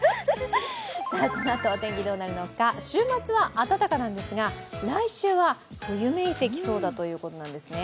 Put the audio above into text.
このあとお天気どうなるのか、週末は暖かなんですが、来週は冬めいてきそうだということなんですね。